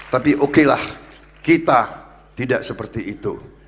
tapi okelah kita tidak seperti itu